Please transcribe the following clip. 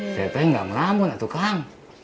saya pengen gak melamun tuh kang